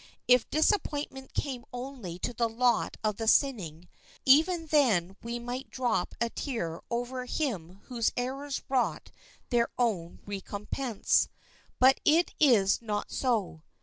If disappointment came only to the lot of the sinning, even then we might drop a tear over him whose errors wrought their own recompense. But it is not so.